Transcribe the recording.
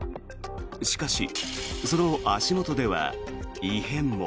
しかしその足元では異変も。